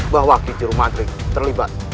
bahwa kitur maghrib terlibat